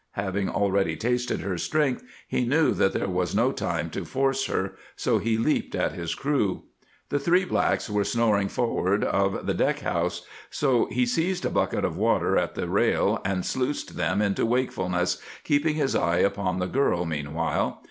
Having already tasted her strength, he knew there was no time to force her, so he leaped at his crew. The three blacks were snoring forward of the deck house, so he seized a bucket of water at the rail and sluiced them into wakefulness, keeping his eye upon the girl meanwhile.